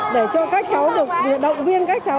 để cho các cháu được động viên các cháu